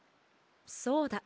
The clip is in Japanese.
そうだ。